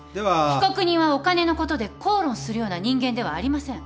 被告人はお金のことで口論するような人間ではありません。